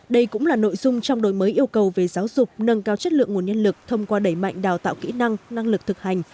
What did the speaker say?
đây cũng là nội dung trong đổi mới yêu cầu về giáo dục nâng cao chất lượng nguồn nhân lực thông qua đẩy mạnh đào tạo kỹ năng năng lực thực hành